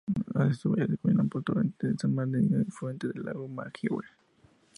Estos valles se combinan en Torrente de San Bernardino, un afluente del lago Maggiore.